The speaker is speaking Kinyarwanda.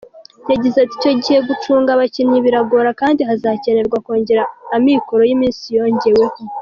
Yagize ati"Icyo gihe gucunga abakinnyi biragora kandi hazakenerwa kongera amikoro y’iminsi yongeweho.